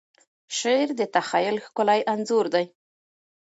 شعر د تخیل ښکلی انځور دی.